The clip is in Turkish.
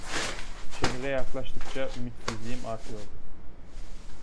Şehre yaklaştıkça ümitsizliğim artıyordu.